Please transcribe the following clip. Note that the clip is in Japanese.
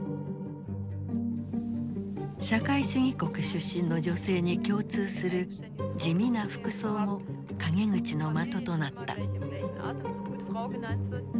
社会主義国出身の女性に共通する地味な服装も陰口の的となった。